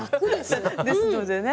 ですのでね